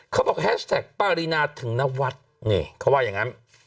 เขาบอกแฮชแท็กปารินาถึงนะวัดเขาว่าอย่างนั้น